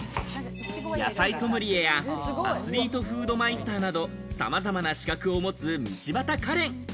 野菜ソムリエやアスリートフードマイスターなどさまざまな資格を持つ道端カレン。